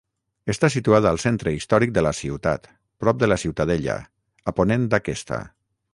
Està situada al centre històric de la ciutat, prop de la ciutadella, a ponent d'aquesta.